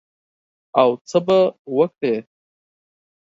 او څه به وکړې؟